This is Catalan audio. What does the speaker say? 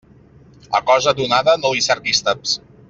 A cosa donada no li cerquis taps.